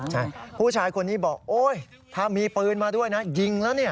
ใช่ผู้ชายคนนี้บอกโอ๊ยถ้ามีปืนมาด้วยนะยิงแล้วเนี่ย